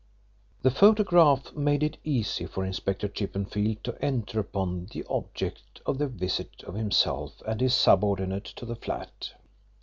The photograph made it easy for Inspector Chippenfield to enter upon the object of the visit of himself and his subordinate to the flat.